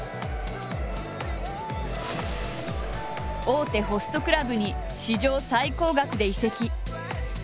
大手ホストクラブに史上最高額で移籍。